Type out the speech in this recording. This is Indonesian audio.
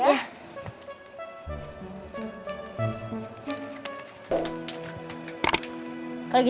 terima kasih ya